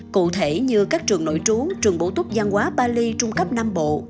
cụ thể như các trường nội trú trường bổ túc văn hóa bali trung cấp nam bộ